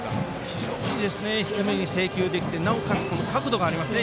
非常に低めに制球できてなおかつ角度がありますね。